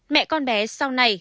mẹ con bé sau này